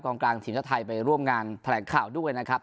กลางทีมชาติไทยไปร่วมงานแถลงข่าวด้วยนะครับ